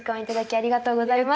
ありがとうございます。